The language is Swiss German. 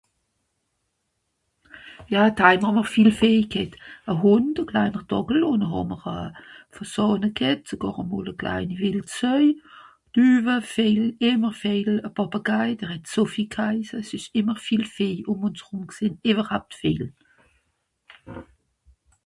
Ja d'heim hàà'mr viel Vieh ghet. E Hùnd, e kleiner Dàckel, ùn noh hàà'mr euh... Fàsàne ghet, sogàr e mol e klein Wìldsöi, Tüwe, vìel, ìmmer Veejel, e Pàppegai, der het Sophie gheise, s'ìsch ìmmer vìel Vìeh ùm ùns rùm gsìnn, ìwwerhapt Veejel.